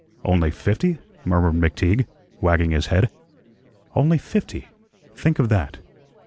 "Only fifty?" murmured McTeague, wagging his head, "only fifty? Think of that."